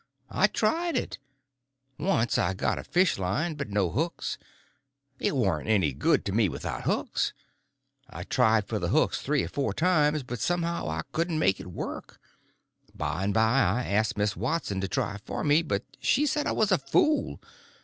I tried it. Once I got a fish line, but no hooks. It warn't any good to me without hooks. I tried for the hooks three or four times, but somehow I couldn't make it work. By and by, one day, I asked Miss Watson to try for me, but she said I was a fool.